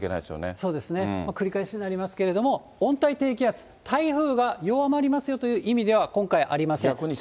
そうですね、繰り返しになりますけれども、温帯低気圧、台風が弱まりますよという意味では、今回ありません。